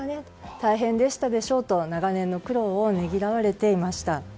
大変でしたでしょうと長年の苦労をねぎらわれていました。